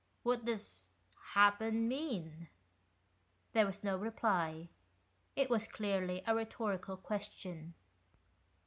What does ' happen ' mean ?" There was no reply : it was clearly a rhetorical question.